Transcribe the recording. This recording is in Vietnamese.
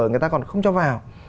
người ta còn không cho vào